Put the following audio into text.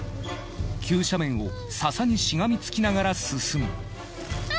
急斜面を笹にしがみつきながら進む。